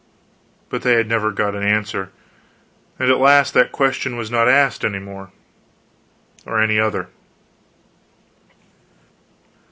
But they had never got an answer; and at last that question was not asked any more or any other.